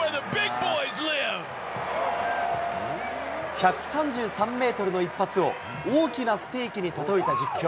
１３３メートルの一発を大きなステーキに例えた実況。